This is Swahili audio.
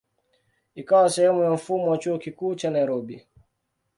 Ikawa sehemu ya mfumo wa Chuo Kikuu cha Nairobi.